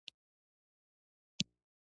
دوی غواړي دوستي او مهرباني په پیسو واخلي.